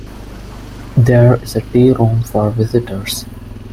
There is a tea room for visitors.